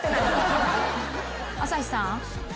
朝日さん。